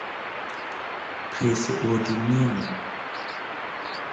เพรซีโอดิเมียม